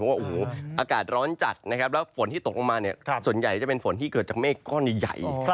อากาศร้อนจัดแล้วฝนที่ตกลงมาส่วนใหญ่จะเป็นฝนที่เกิดจากเมฆก้อนใหญ่